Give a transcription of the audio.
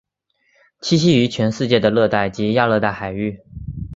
栖息于全世界的热带及亚热带海域。